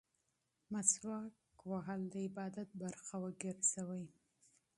مسواک وهل د عبادت برخه وګرځوئ.